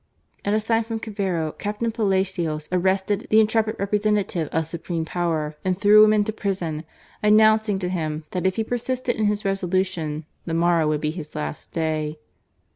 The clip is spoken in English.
At a sign from Cavero, Captain Palacios arrested the intrepid representative of supreme power and 84 GARCIA MORENO. threw him into prison, announcing to him that if he persisted in his resolution, the morrow would be his last day.